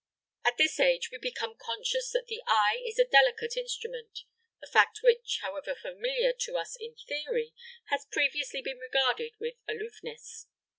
At this age we become conscious that the eye is a delicate instrument a fact which, however familiar to us in theory, has previously been regarded with aloofness.